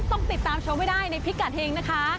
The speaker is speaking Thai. ต้องติดตามชมให้ได้ในพิกัดเฮงนะคะ